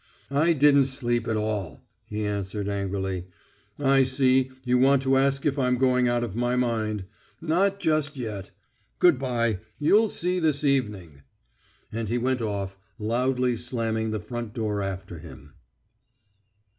"I didn't sleep at all," he answered angrily. "I see, you want to ask if I'm going out of my mind. Not just yet. Good bye. You'll see this evening." And he went off, loudly slamming the front door after him.